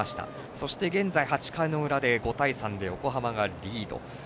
そして、現在、８回の裏で５対３で横浜がリード。